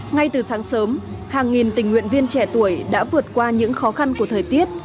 ngay từ sáng sớm hàng nghìn tình nguyện viên trẻ tuổi đã vượt qua những khó khăn của thời tiết